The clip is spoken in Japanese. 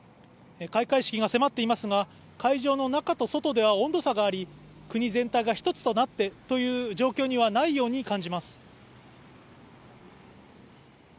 開会式が迫っていますが、会場の中と外では温度差があり国全体が一つとなってという状況にはないように感じます。